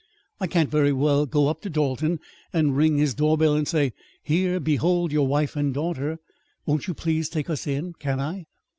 I can't very well go up to Dalton and ring his doorbell and say, 'Here, behold your wife and daughter. Won't you please take us in?' can I?